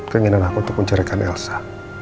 kenginan aku untuk mencerahkan elsa